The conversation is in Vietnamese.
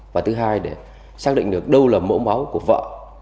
và thứ hai để xác định được đâu là mẫu máu của vợ